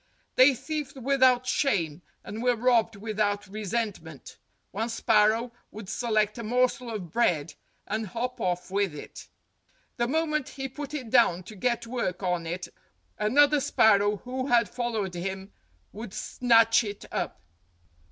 They thieved without shame, and were robbed without re sentment. One sparrow would select a morsel of bread, and hop off with it. The moment he put it down to get to work on it, another sparrow who had followed him would snatch it up.